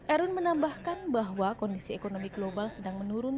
erun menambahkan bahwa kondisi ekonomi global sedang menurun